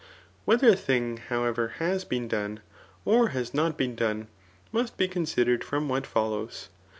Whether a thing, however, has been done, or has not been done, must be considered from what follows.